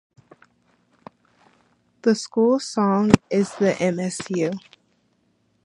The school song is the M. S. U.